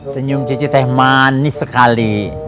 senyum cuci teh manis sekali